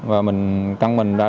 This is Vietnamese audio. và mình căng mình ra